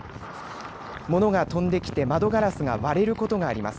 物が飛んできて窓ガラスが割れることがあります。